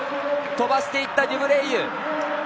飛ばしていったデュブレイユ。